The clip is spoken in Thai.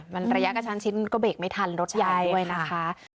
มันระยะกระชั้นชิดมันก็เบรกไม่ทันรถใหญ่ด้วยนะคะ